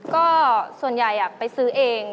ก็ส่วนใหญ่ไปซื้อเอง